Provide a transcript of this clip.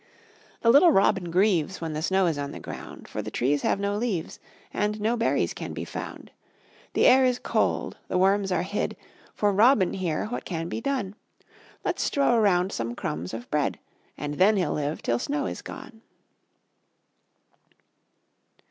The little robin grieves When the snow is on the ground, For the trees have no leaves, And no berries can be found. The air is cold, the worms are hid; For robin here what can be done? Let's strow around some crumbs of bread, And then he'll live till snow is gone.